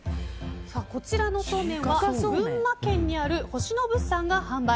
こちらのそうめんは群馬県にある星野物産が販売